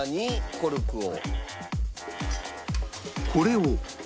コルクを。